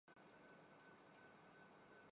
پر حتمی رائے supreme court دے گی۔